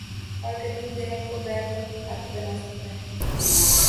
اور قدیم ذہن کو بیک وقت مخاطب بنا سکتا ہے۔